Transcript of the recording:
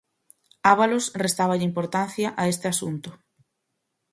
Ábalos restáballe importancia a este asunto.